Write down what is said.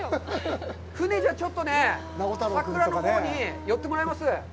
船じゃちょっとね、桜のほうに寄ってもらいます。